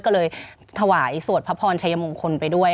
ก็เลยถวายสวดพระพรชัยมงคลไปด้วย